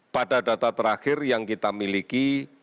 pada data terakhir yang kita miliki